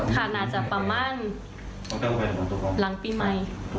น่าจะประมาณหลังปีใหม่